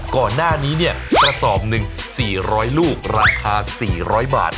ก่อนหน้านี้เนี่ยกระสอบหนึ่ง๔๐๐ลูกราคา๔๐๐บาท